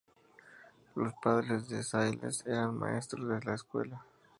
Los padres de Sayles eran maestros de escuela.